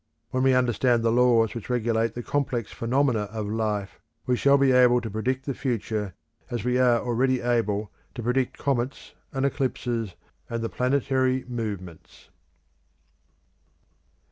When we understand the laws which regulate the complex phenomena of life, we shall be able to predict the future as we are already able to predict comets and eclipses and the planetary movements.